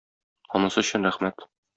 Анысы өчен рәхмәт.